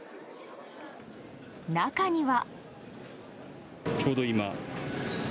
中には。